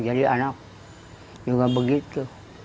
jadi anak juga begitu